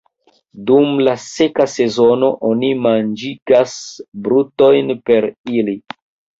Dum la seka sezono oni manĝigas brutojn per ili.